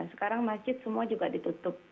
sekarang masjid semua juga ditutup